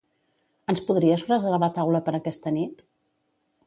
Ens podries reservar taula per aquesta nit?